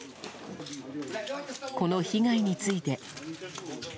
この被害について。